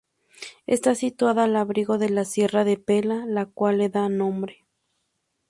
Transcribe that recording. Está situada al abrigo de la Sierra de Pela, la cual le da nombre.